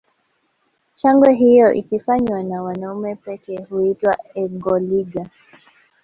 Shangwe hiyo ikifanywa na wanaume pekee huitwa engoliga